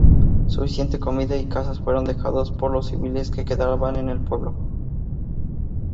Suficiente comida y casas fueron dejados para los civiles que quedaban en el pueblo.